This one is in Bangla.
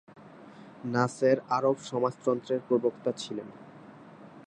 নাসের আরব সমাজতন্ত্রের প্রবক্তা ছিলেন।